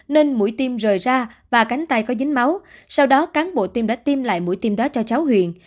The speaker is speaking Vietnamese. nên mũi tiêm rời ra và cánh tay có dính máu sau đó cán bộ tiêm đã tiêm lại mũi tiêm đó cho cháu huyền